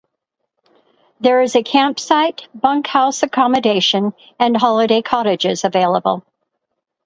There is a camp site, bunkhouse accommodation and holiday cottages available.